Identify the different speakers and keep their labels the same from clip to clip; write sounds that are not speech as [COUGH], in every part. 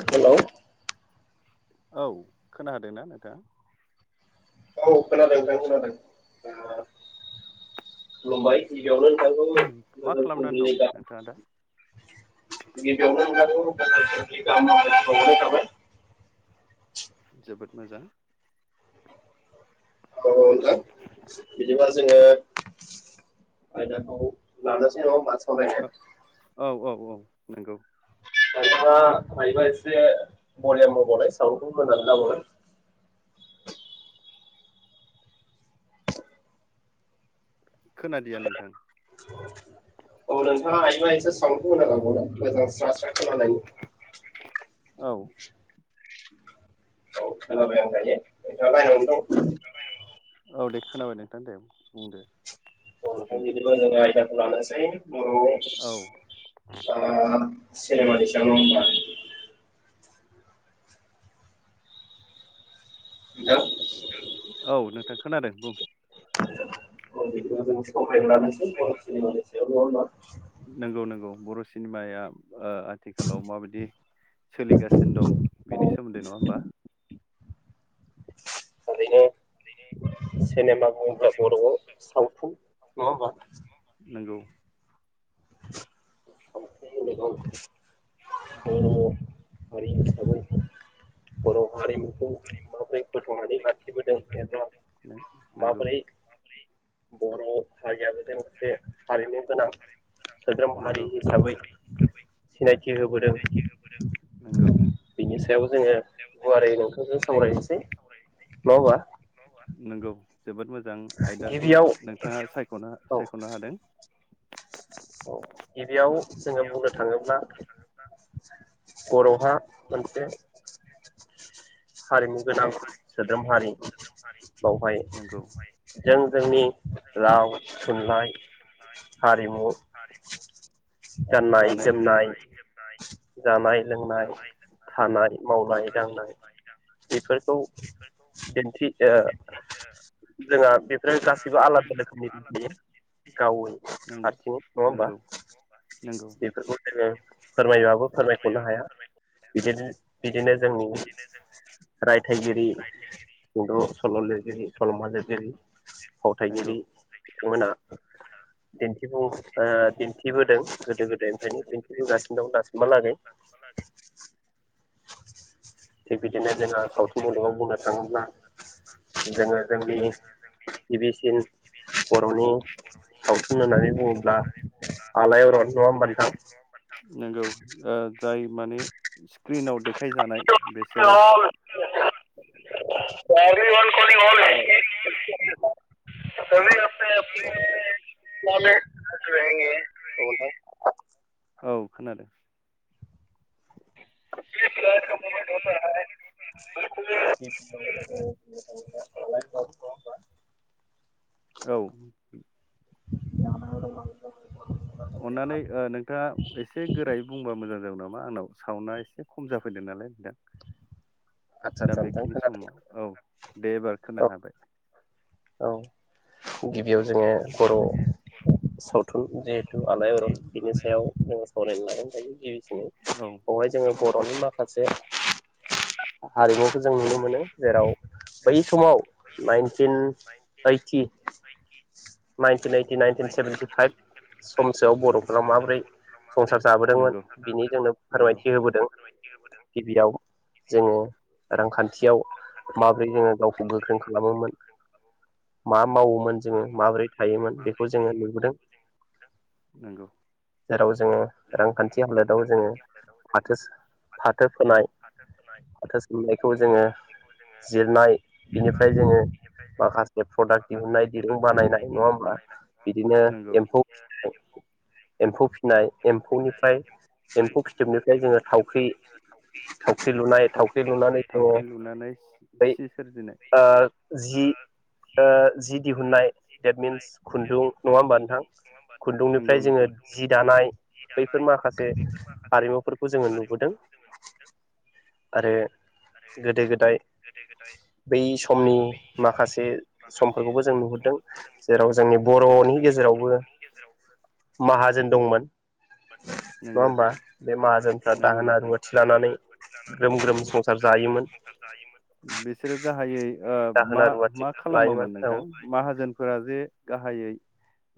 Speaker 1: [INAUDIBLE] Hello
Speaker 2: औ खोनादोंना नोंथाङा?
Speaker 1: औ खोनादों नोंथां खोनादों ओ खुलुमबाय गि गिबियावनो नोंथांखौ गोजोन फुंबिलिनि गाहाम गिबियावनो नोंथां, थ' [UNINTELLIGIBLE] हामलायनाय बाउरनाय थाबाय,
Speaker 2: जोबोद [UNINTELLIGIBLE]
Speaker 1: औ नोंथां बिदिबा जोङो आयदाखौ लानोसै नङा होमबा?
Speaker 2: ओ औ औ। औ नंगौ
Speaker 1: नोंथाङा हायोबा एसे बलियाम होबावलाय साउन्डखौ होनानै लाबावलाय,
Speaker 2: खोनादिया नोंथां,
Speaker 1: औ नोंथाङा हायोबा एसे साउन्डखौ होबावना लाबावलाय मोजां स्रा स्रा खोनानायनि,
Speaker 2: औ
Speaker 1: औ खोनाबाय आं दायो नोंथां लाइनावनो दं,
Speaker 2: औ दे खोनाबाय नोंथां दे बुंदो।
Speaker 1: औ नोंथां बिदिबा जोङो आयदाखौ लानोसै बर' ओ सिनेमानि सायावनो होमबा नोंथां [INAUDIBLE]
Speaker 2: खोनादों बुं
Speaker 1: औ बिदिब्ला जों सावलानो लानोसै बर'सिनेमानि सायाव नङा ओमबा?
Speaker 2: नोंगौ नोंगौ बर' सिनेमाया ओ आथिखालाव माबायदि सोलिगासिन दं बेनि सोमोन्दै नङा होमबा,
Speaker 1: ओरैनो सेनेमा बुंब्ला बर' सावथुन नङा होमबा
Speaker 2: नोंगौ
Speaker 1: सावथुन मुलुगाव बर‌'हारि हिसाबै बर'हारिमुखौ माबोरै फोथांनानै लाखिबोदों एबा,
Speaker 2: नों नोंगौ
Speaker 1: बर' हारियाबो मोनसे मोनसे हारिमु गोनां, सोद्रोम हारि हिसाबै सिनायथि होबो दों बिनि सायाव जोङो गुवारै नोंथांजों सावरायनोसै नङा होमबा,
Speaker 2: नोंगौ, जोबोद मोजां आयदाखौ नोंथाङा सायख'नो सायख'नो हादों,
Speaker 1: गिबियाव जोङो बुंनो थाङोब्ला बर'हा मोनसे हारिमु गोनां सोद्रोमहारि बावहाय जों-जोंनि राव थुनलाइ हारिमु गाननाय, जोमनाय, जानाय सोलोंनाय थानाय मावनाय दांनाय बेफोरखौ दिन्थिओ दा बेफोरो गासैबो आलादा रोखोमनि नुयो गाव हारसिङै नङा होमबा बेफोरखौ फोरमायोबाबो फोरमायखनो हाया बिदिनो बिदिनो जोंनि रायथाइगिरि सुंद' सल' लिरगिरि सल'मा जों जेरै फावथायगिरि बिथांमोना दिन्थिफुं ओ दिन्थिबोदों गोदो गोदायनिफ्रायनो दिन्थिबोगासिनो दं दासिमहालागै थिख बिदिनो जोङा सावथुन मुलुगाव बुंनो थाङोब्ला जोङो जोंनि गिबिसिन बर'नि सावथुन होननानै बुङोब्ला आलायारन नङा होमबा नोंथां
Speaker 2: नोंगौ ओ जाय माने स्क्रिनाव देखायजानाय बेसोरो
Speaker 1: [UNINTELLIGIBLE] [UNINTELLIGIBLE] [UNINTELLIGIBLE]
Speaker 2: औ खोनादों।
Speaker 1: [UNINTELLIGIBLE]
Speaker 2: औ
Speaker 1: [UNINTELLIGIBLE]
Speaker 2: अननानै ओ नोंथाङा एसे गोरायै बुंबा मोजां जागोन नामा मा आंनाव साउना एसे खम जाफैदों नालाय दा दा बेखिनि समाव औ दे एबार खोनानो हाबाय
Speaker 1: औ गिब बेयाव जोङो बर' साव थु जिहेतु आलायारन बिनि सायाव जोङो। [UNINTELLIGIBLE] बेवहाय जोङो बर'नि माखासे हारिमु जों नुनो मोनो जेराव बै समाव nineteen eighty nineteen seventy five समसोआव बर'फोरा माबोरै संसार जाबोदोंमोन बिनि जोंनो फोरमायथि होबोदों गिबियाव जोङो रांखान्थि माबोरै जोङो गावखौ गोख्रों खालामोमोन मा मावोमोन जोङो माबोरै थायोमोन बेखौ जोङो नुबोदों जेराव जोङो रांखान्थि हालोदाव जोङो फाथोस फाथो फोनाय फाथो सोमनायखौ जोङो जिरनाय बिनिफ्राय जोङो माखासे प्रडाक्ट दिहुननाय दिरुं बानायनाय नङा होमबा बिदिनो एम्फौ फिनाय एम्फौ फिनाय एमफौनिफ्राय एम्फौ फिथोबनिफ्राय जोङो थावख्रि थाव लुनाय थावख्रि लुनानै जोङो। बै ओ जि ओ जि दिहुननाय देट मिन्स खुन्दुं नङा होमबा नोंथां खुन्दुंनिफ्राय जोङो जि दानाय बैफोर माखासे हारिमुफोरखौ जोङो नुबोदों। आरो गोदो गोदाय बै समनि माखासे समफोरखौबो जों नुहुरदों जेराव जोंनि बरनि गेजेरावबो माहाजोन दंमोन नङा ओमबा बे माहाजोनफ्रा दाहोना रुवाथि लानानै ग्रोम ग्रोम स
Speaker 2: बिसोरोब गाहायै ओ मा मा खालामोमोन नोंथां माहाजोनफोरा जे गाहायै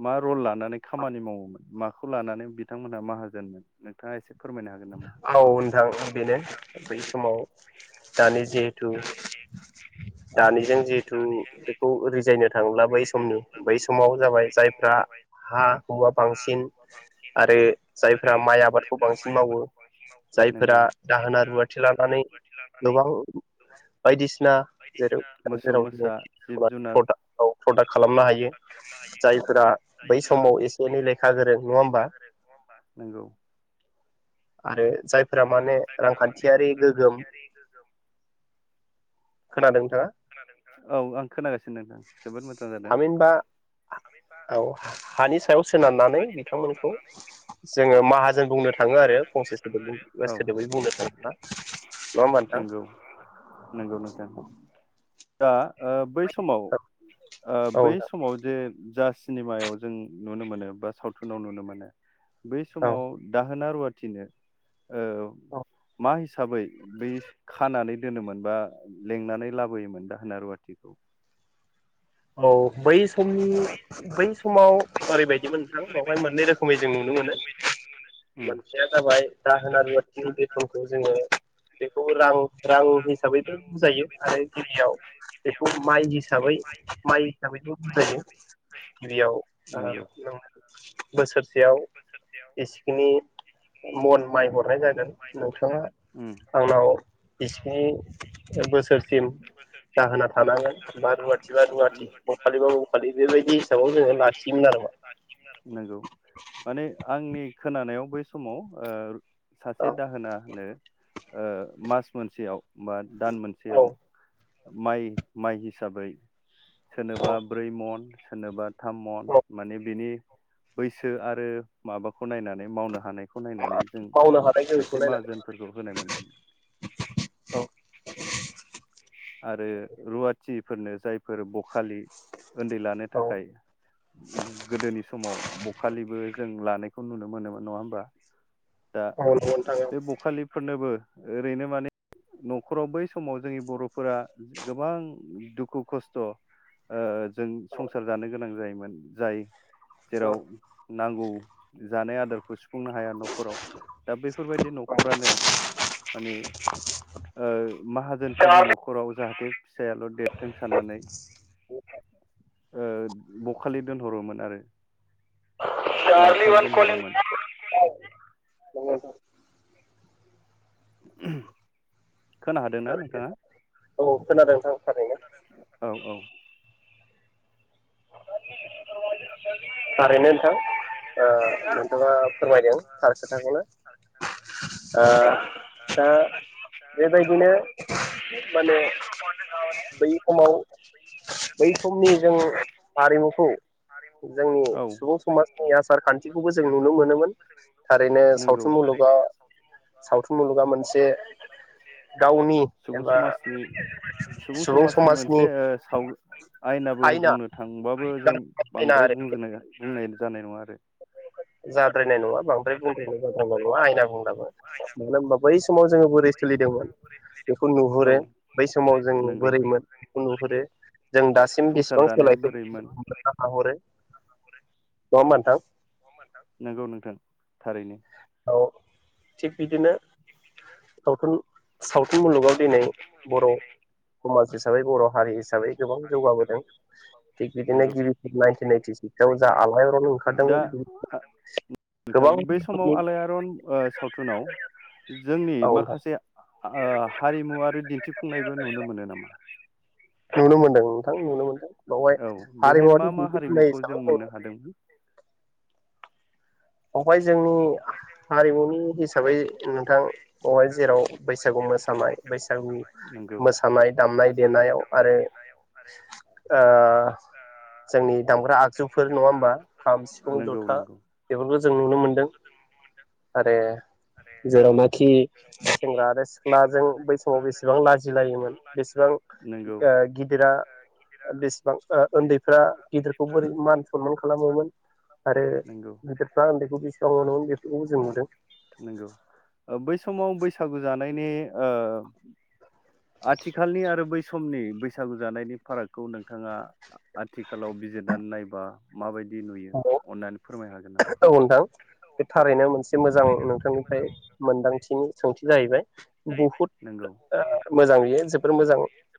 Speaker 2: मा रल लानानै खामानि मावोमोन माखौ लानानै बिथांमोनहा माहाजोनमोन नोंथाङा इसे
Speaker 1: औ नोंथां बेनो बै समाव दानि जेहेथु दानिजों जिहेथु बेखौ रिजायनो थांब्ला बै समनि बै समाव जाबाय जायफ्रा हा हुवा बांसिन आरो जायफ्रा माइ आबादखौ बांसिन
Speaker 2: नोंगौ मोसौ मोसा जिब जुनार
Speaker 1: प्रडाक्ट खालामनो हायो जायफोरा बै समाव एसे एनै लेखा गोरों नङा ओमबा? आरो
Speaker 2: औ आं खोनागास
Speaker 1: थामिनबा औ हानि सायाव सोनारनानै बिथांमोनखौ जोङो माहाज जों बुंनो थाङो आरो फंसे सोदोबनि सोदोबबै बुंनो थांयोबा नंयाहोबा नोंथां
Speaker 2: आ बै समाव ओ बै समाव जे जा सिनेमायाव जों नुनो मोनो बा सावथुनाव नुनो मोनो बै समाव दाहोना रुवाथिनो औ मा साबै बै खानानै दोनोमोन बा लेंंनानै लाबोयोमोन दाहोना रुवाथिखौ
Speaker 1: औ बैस समनि बै समाव ओरैबायदि मोनथां बेवहाय मोननै रोखोमै जों नुनो मोनो मोनसेया जाबाय जाहोना रुवाथिनि बेथनखौ जोङो बे [UNINTELLIGIBLE] राव हिसाबैबो बुजायो आरो गिबियाव बिखौ माय हिसाबै माइ हिसाबैबो बुजायो गिबियाव ओ नों बोसोरसेयाव एसेखिनि इसिखिनि बोसोरसिम दाहोना थानांगोन बा रुवा थि बा रुवाथि बखालिबा बखालि बेबायदि हिसाबाव जोङो लाखियोमोन आरो मा।
Speaker 2: आंनि खोनानायाव बै समाव ओ रु सासे दाहोना नो ओ मास मोनसेयाव बा दान मोनसेयाव माइ-माइ हिसाबै सोरनोबा ब्रै मन सोरनोबा थाम मन माने बिनि बैसो आरो माबाखौ नायनानै मावनो हानाय खौ नायनानै जों खायसे माहाजोनफोरखौ होनाय मोनो फोरनो जायफोर बखालि उन्दै लानो थाखाय गो-गोदोनि समाव बखालिबो जों लानायखौ नुनो मोनोमोन नङा होमबा? दा बे बखालिफोरनोबो ओरैनो माने नखराव बै समाव जोंनि बर फोरा गोबां दुखु खस्थ ओ जों संसार जानो गोनां जायोमोन जाय जेराव नांगौ जानाय आदारखौ सुख सुफुंनो हाया नखराव दा बेफोरबायदि नखरानो माने ओ माहाजोनफोरनि नख जाहाथे फिसायल' देद थों साननानै ओ बखालि दोनहरोमोन आरो
Speaker 1: [UNINTELLIGIBLE]
Speaker 2: ओहोम खोना हादोंना नोंथाङा? औ औ
Speaker 1: थारैनो नोंथां ओ नोंथाङा फोरमायदों थार खोथाखौनो दा बेबायदिनो माने बै समाव बै समनि जों हारिमुखौ जोंनि सुबुं समाजनि आसार खान्थिखौबो जों नुनो मोनोमोन थारैनो सावथुन मुलुगा सावथुन मुलुगा मोनसे गावनि एबा सुबुं समाजनि आयना।
Speaker 2: बांद्राय बुंजेन नाङा होननाय जानाय नङा आरो
Speaker 1: जा द्रायनाइ नङा बांद्राय बुंद्रायनाइ जानाय नङा आयना बुंब्लाबो [UNINTELLIGIBLE] बै समाव जोङो बोरै सोलिदोंमोन बेखौ नुहुरो बै समाव जों बोरैमोन बेखौ नुहुरो जों दासिम बेसेबां सोलायखो [UNINTELLIGIBLE] हाहरो नङा होनबा नोंथां
Speaker 2: नोंगौ नोंथां थारैनो
Speaker 1: औ थिग बिदिनो सावथुन सावथुन मुलुगाव दिनै बर' समाज हिसाबै बर' हारि हिसाबै गोबां जौगाबोदों थिग बिदिनो गिबि नाइनटिन इटि सिक्सआव जा आलायारन ओंखारदोंमोन गोबां
Speaker 2: आलायारन ओ सावथुनाव जोंनि माखासे हा-हारिमु आरो दिन्थिफुंनायबो नुनो मोनो नामा?
Speaker 1: नुनो मोनदों नोंथां नुनो मोनदों।
Speaker 2: औ बेहाय मा मा हारिमुखौ जों मोननो हादों?
Speaker 1: अफाय जोंनि हारिमुनि हिसाबै नोंथां बहाय जेराव बैसागु मोसानाय बैसागु मोसानाय दामनाय देनायाव आरो ओ जोंनि दामग्रा आगजुफोर नङा होमबा खाम, सिफुं, जथा नुनो मोनदों। आरे जेरावनाखि सेंग्रा आरो सिख्लाजों बै समाव बेसेबां लाजिलायोमोन बेसेबां ओ गिदिरा बेसेबां ओ उन्दैफ्रा गिदिरखौ बोरै मान सनमान खालामोमोन आरो गिदिरफ्रा उन्दैखौ बेसेबां अनोमोन बे खौ जों नुदों
Speaker 2: नंगौ ओ बै समाव बैसागु जानायनि ओ आथिखालनि आरो बै समनि बैसागु जानायनि फारागखौ नोंथाङा आथिखालाव बिजिरनानै नायबा माबाय
Speaker 1: [INAUDIBLE] औ नोंथां बे थारैनो मोनसे मोजां नोंथांनि फ्राय मोनदांथिनि सोंथि जाहैबाय बहुद ओ मोजां बियो जोबोर मोजां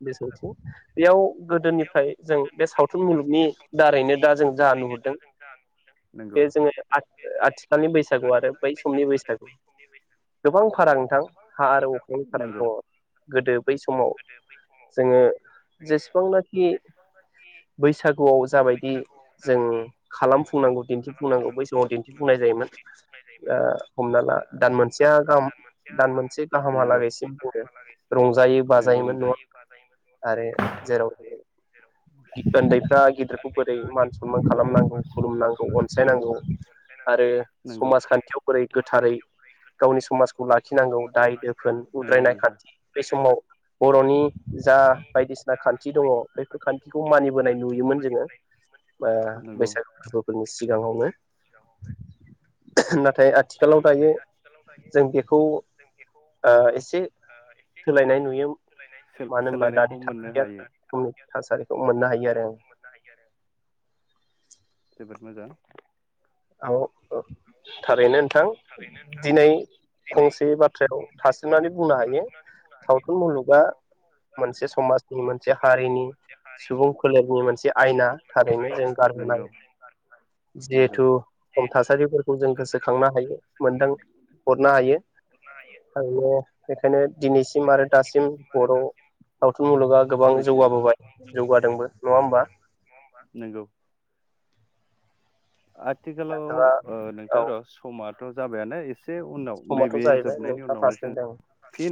Speaker 1: बे सोंथिं बेयाव गोदोनिफ्राय जों बे सावथुन मुलुगनि दारैनो दा जों जा नुहुरदों बे जोङो आथ आथिखालनि बैसागु आरो बै समनि बैसागु गोबां फाराग नोंथां अनथाराव दङ गोदो बै समाव जोङो जेसेबांनाखि बैसागुआव जाबायदि जों खालामफुंनांगौ दिन्थिफुंनांगौ बै समाव दिन्थिफुंनाय जायोमोन ओ हमना ला दान मोनसेया गाम दान मोनसे गाहामहालागैसिम हरो रंजायो बाजायोमोन नङा आरो जेराव उन्दैफ्रा गिदिरखौ बोरै मान सनमान खालामनांगौ खुलुमनांगौ अनसायनांगौ आरो समाजखान्थियाव बोरै गोथारै गावनि समाजखौ लाखिनांगौ दा आइ दोफोन उद्रायनाय खान्थि बे समाव बरनि जा बायदिसिना खान्थि दङ बेफोर खान्थिखौ मानिबोनाय नुयोमोन जोङो बैसागो फोरबोफोरनि सिगाङावनो [UNINTELLIGIBLE] नाथाय आथिखालाव दायो जों बेखौ ओ एसे सोलायनाय नुयो मानो होनबा दानि थासारिया रोखोमनि थासारिखौ मोननो हायो आरो ओं
Speaker 2: जोबोद मोजां
Speaker 1: औ ओ थारैनो थां दिनै फंसे बाथ्रायाव थासिमनानै बुंनो हायो सावथुन मुलुगा मोनसे समाजनि मोनसे हारिनि सुबुं फोलेरनि मोनसे आयना थारैनो जों गारबोनाय जिहेथु खम थासारिफोरखौ जों गोसोखांना ह मोनदों हरनो हायो खायनो बेखायनो दिनैसिम आरो दासिम बर सावथुन मुलुगा गोबां जौगाबोबाय जौगादोंबो नङा होमबा
Speaker 2: आथिखालाव ओ नोंथां र समा थ जाबायानो इसे इसे उनाव नैबे जोबनायनि उनावनो जों फिन